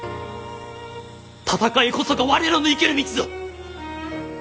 戦いこそが我らの生きる道ぞ！